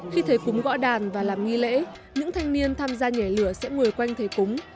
khi thấy cúng gõ đàn và làm nghi lễ những thanh niên tham gia nhảy lửa sẽ ngồi quanh thầy cúng